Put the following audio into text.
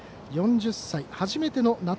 ４０歳。